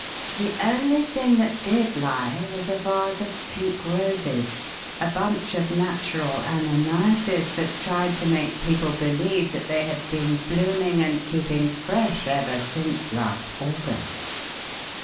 The only thing that did lie was a vase of pink roses a bunch of natural Ananiases that tried to make people believe that they had been blooming and keeping fresh ever since last August!"